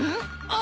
あ！